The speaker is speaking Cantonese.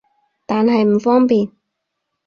但係唔方便